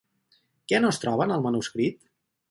Què no es troba en el manuscrit?